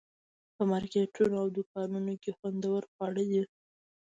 په مارکیټونو او دوکانونو کې خوندور خواړه دي.